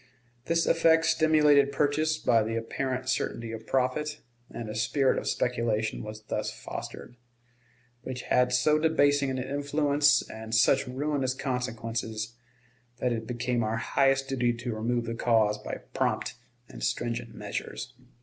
This effect stimulated purchase by the apparent certainty of profit, and a spirit of speculation was thus fostered, which had so debasing an influence and such ruinous consequences that it became our highest duty to remove the cause by prompt and stringent measures.